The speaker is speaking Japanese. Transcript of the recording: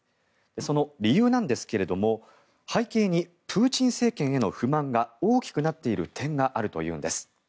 その理由なんですけれども背景にプーチン政権への不満が大きくなっている点があるというんです。